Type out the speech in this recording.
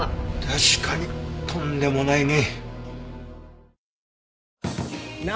確かにとんでもないね。